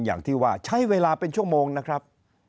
อย่างที่ว่าใช้เวลาเป็นชั่วโมงนะครับ